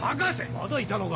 まだいたのか。